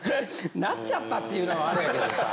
なっちゃったっていうのはアレやけどさ。